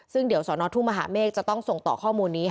ซึ่งเดี๋ยวสนทุ่งมหาเมฆจะต้องส่งต่อข้อมูลนี้